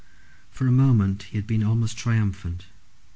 For a moment he had been almost triumphant.